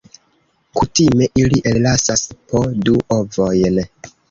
Kutime ili ellasas po du ovojn.